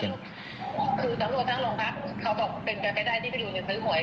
คือตั้งโจทย์ทั้งลงทักเขาบอกเป็นกรรค์ให้ได้ที่พี่รุนเงินซื้อขวย